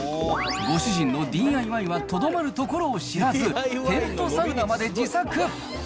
ご主人のＤＩＹはとどまるところを知らず、テントサウナまで自作。